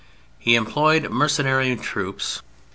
He employed mercenary troops.